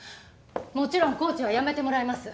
もちろんコーチは辞めてもらいます。